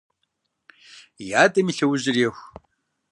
И адэм и лъэужьыр еху.